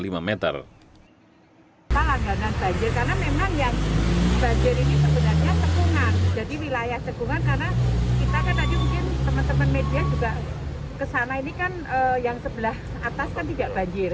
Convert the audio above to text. jadi wilayah cekungan karena kita kan tadi mungkin teman teman media juga kesana ini kan yang sebelah atas kan tidak banjir